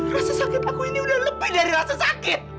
rasa sakit aku ini udah lebih dari rasa sakit